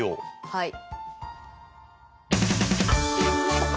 はい。